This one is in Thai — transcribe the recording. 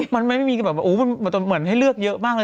มันไม่มีแบบว่าเหมือนให้เลือกเยอะมากเลย